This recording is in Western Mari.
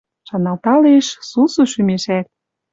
Шаналталеш — сусу шӱмешӓт.